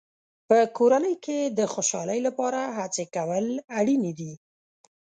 په کورنۍ کې د خوشحالۍ لپاره هڅې کول اړینې دي.